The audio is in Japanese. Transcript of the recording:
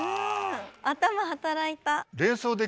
頭働いた。